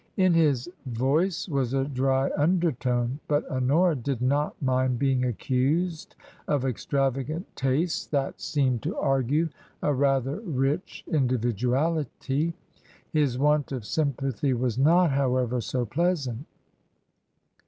In his voice was a dry undertone ; but Honora did not mind being accused of extravagant tastes ; that seemed to argue a rather rich individuality. His want of sym pathy was not, however, so pleasant.